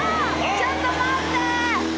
⁉ちょっと待って！